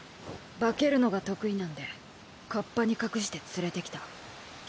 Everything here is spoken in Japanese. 化けるのが得意なんでカッパに隠して連れてきた。